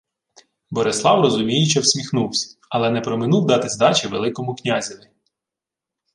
Борислав розуміюче всміхнувсь, але не проминув дати здачі Великому князеві: